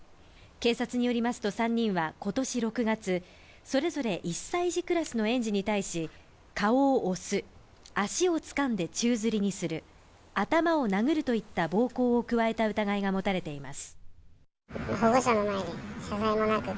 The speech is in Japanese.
警察によりますと３人は今年６月、それぞれ１歳児クラスの園児に対し顔を押す、足をつかんで宙づりにする、頭を殴るといった暴行を加えた疑いが持たれています。